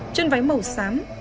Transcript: chân váy màu xám